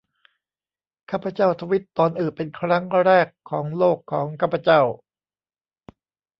ข้าพเจ้าทวิตตอนอึเป็นครั้งแรกของโลก ของข้าพเจ้า